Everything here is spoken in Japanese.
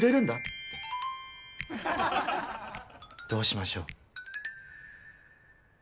どうしましょう？